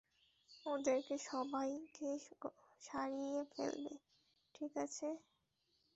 ওদেরকে সবাইকে সারিয়ে ফেলবো, ঠিক আছে?